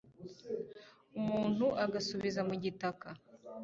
umuntu agasubira mu gitaka